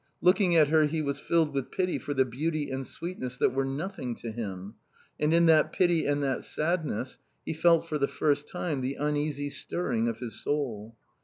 Looking at her he was filled with pity for the beauty and sweetness that were nothing to him. And in that pity and that sadness he felt for the first time the uneasy stirring of his soul.